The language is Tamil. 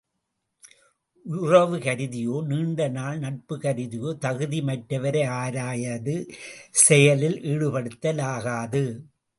உறவு கருதியோ நீண்ட நாள் நட்பு கருதியோ, தகுதி யற்றவரை ஆராயாது செயலில் ஈடுபடுத்தலாகாது.